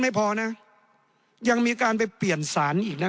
ไม่พอนะยังมีการไปเปลี่ยนสารอีกนะ